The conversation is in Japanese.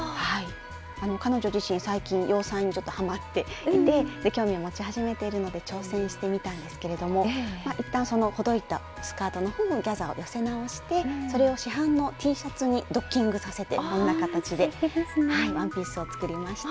彼女自身最近洋裁にちょっとハマっていて興味を持ち始めているので挑戦してみたんですけれども一旦ほどいたスカートの方をギャザーを寄せ直してそれを市販のＴシャツにドッキングさせてこんな形でワンピースを作りました。